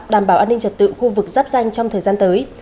đảm bảo an ninh trật tự khu vực giáp danh trong thời gian tới